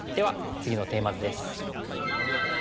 次のテーマ図です。